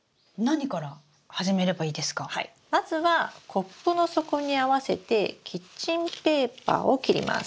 まずはコップの底に合わせてキッチンペーパーを切ります。